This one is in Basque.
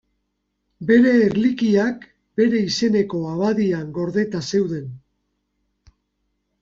Bere erlikiak bere izeneko abadian gordeta zeuden.